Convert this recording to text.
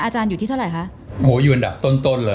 อาจารย์อยู่ที่เท่าไหร่คะโหอยู่อันดับต้นเลย